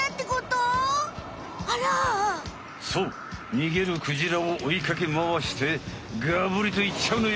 にげるクジラをおいかけまわしてがぶりといっちゃうのよ。